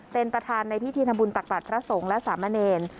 เป็นประธานในพิธีทำบุญตักบาทพระสงฆ์และสามเณร